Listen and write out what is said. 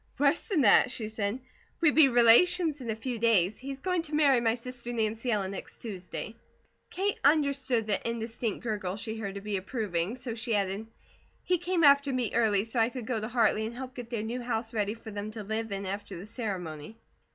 "Worse than that," she said. "We be relations in a few days. He's going to marry my sister Nancy Ellen next Tuesday." Kate understood the indistinct gurgle she heard to be approving, so she added: "He came after me early so I could go to Hartley and help get their new house ready for them to live in after the ceremony."